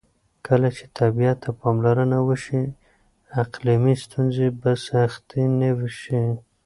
کله چې طبیعت ته پاملرنه وشي، اقلیمي ستونزې به سختې نه شي.